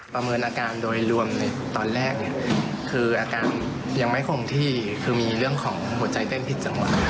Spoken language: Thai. เมินอาการโดยรวมในตอนแรกเนี่ยคืออาการยังไม่คงที่คือมีเรื่องของหัวใจเต้นผิดจังหวะ